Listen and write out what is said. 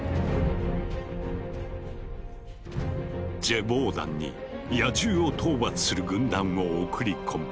ジェヴォーダンに野獣を討伐する軍団を送り込む。